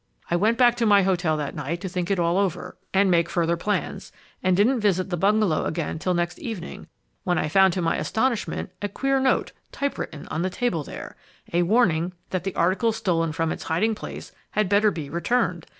I went back to my hotel that night to think it all over and make further plans, and didn't visit the bungalow again till next evening, when I found to my astonishment a queer note, type written, on the table there a warning that the article stolen from its hiding place had better be returned.